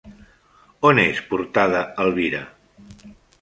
On és portada Elvira?